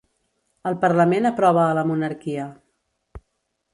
El parlament aprova a la monarquia